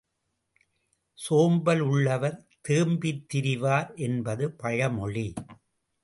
சோம்பல் உள்ளவர் தேம்பித் திரிவார் என்பது பழமொழி.